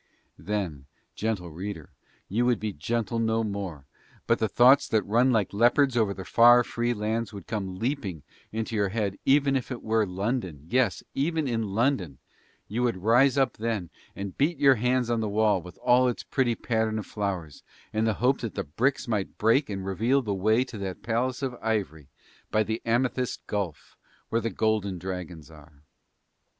Then gentle reader you would be gentle no more but the thoughts that run like leopards over the far free lands would come leaping into your head even were it London, yes, even in London: you would rise up then and beat your hands on the wall with its pretty pattern of flowers, in the hope that the bricks might break and reveal the way to that palace of ivory by the amethyst gulf where the golden dragons are.